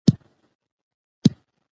مورخین باید په خپلو لیکنو کي رښتیني وي.